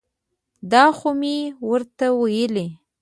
دا خو مې ورته ویلي.